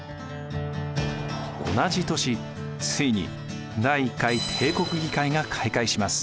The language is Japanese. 同じ年ついに第１回帝国議会が開会します。